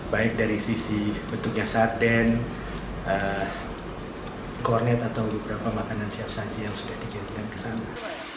baik dari sisi bentuknya sarden kornet atau beberapa makanan siap saji yang sudah dikirimkan ke sana